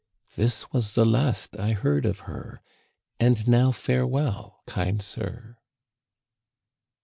(This was the last I heard of her) '* And now farewell, kind sir."